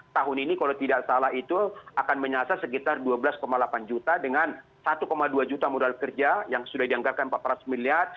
tahun ini kalau tidak salah itu akan menyasar sekitar dua belas delapan juta dengan satu dua juta modal kerja yang sudah dianggarkan empat ratus miliar